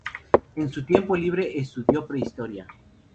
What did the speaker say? En su tiempo libre estudió prehistoria.